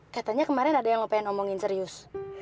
katanya kemarin ada yang pengen omongin serius